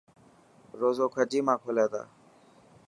روز کجي مان کولي تا.